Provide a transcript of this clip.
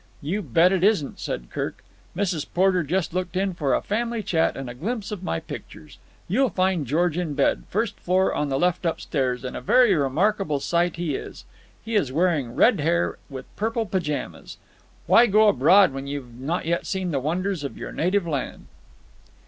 "You bet it isn't," said Kirk. "Mrs. Porter just looked in for a family chat and a glimpse of my pictures. You'll find George in bed, first floor on the left upstairs, and a very remarkable sight he is. He is wearing red hair with purple pyjamas. Why go abroad when you have not yet seen the wonders of your native land?"